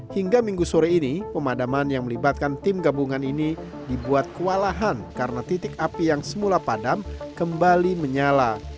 hingga minggu sore ini pemadaman yang melibatkan tim gabungan ini dibuat kewalahan karena titik api yang semula padam kembali menyala